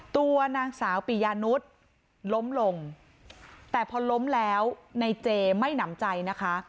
ตัวนางสาวปิยานุษย์ล้มลงแต่พอล้มแล้วในเจไม่หนำใจนะคะ